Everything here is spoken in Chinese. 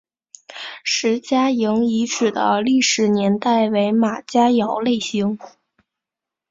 石家营遗址的历史年代为马家窑类型。